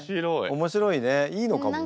面白いねいいのかもね。